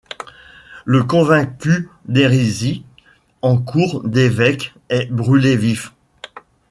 Le convaincu d’hérésie en cour d’évêque est brûlé vif.